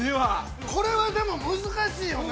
◆これは、でも難しいよね。